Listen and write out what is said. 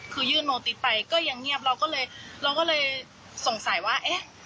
คือยื่นโนติสไปก็ยังเงียบเราก็เลยเราก็เลยสงสัยว่าเอ๊ะ